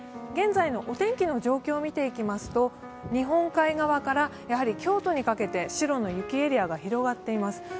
現在のお天気の状況を見ていきますと、日本海側から京都にかけて白の雪エリアが広がっています。